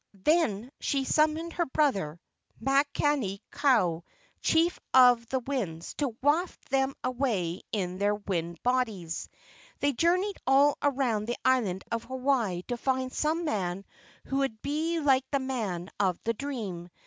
Then she summoned her brother, Makani kau, chief of the winds, to waft them away in their wind bodies. They journeyed all around the island of Hawaii to find some man who would be like the man of the dream.